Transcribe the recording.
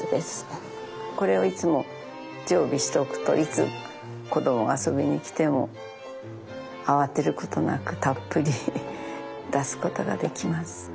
これをいつも常備しておくといつ子供が遊びに来ても慌てることなくたっぷり出すことができます。